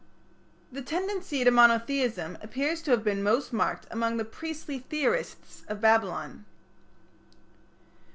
The tendency to monotheism appears to have been most marked among the priestly theorists of Babylon.